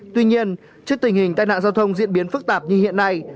tuy nhiên trước tình hình tai nạn giao thông diễn biến phức tạp như hiện nay